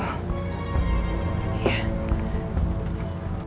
aku terima dirimu